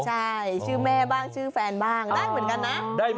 ใช่ชื่อแม่บ้างชื่อแฟนบ้างได้เหมือนกันนะ